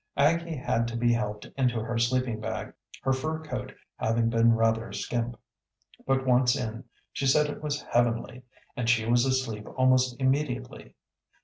Aggie had to be helped into her sleeping bag, her fur coat having been rather skimp. But, once in, she said it was heavenly, and she was asleep almost immediately.